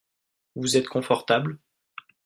Vous êtes confortable ?